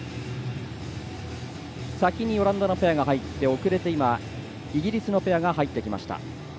先にオランダのペアが入ってイギリスのペアが入ってきました。